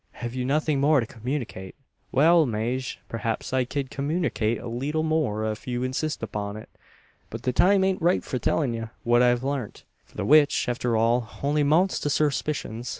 Have you nothing more to communicate?" "Wal, Maje, preehaps I ked communerkate a leetle more ef you insist upon it. But the time ain't ripe for tellin' ye what I've larnt the which, arter all, only mounts to surspishuns.